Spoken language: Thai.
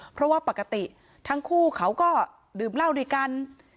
เพราะว่าปกติทั้งคู่เขาก็ดื่มเหล้าด้วยกัน